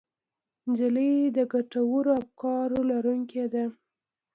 نجلۍ د ګټورو افکارو لرونکې ده.